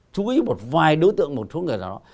chú ý một vài đối tượng một số người nào đó